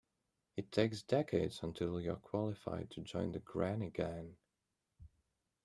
It takes decades until you're qualified to join the granny gang.